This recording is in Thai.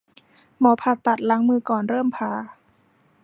หมอผ่าตัดล้างมือก่อนเริ่มผ่า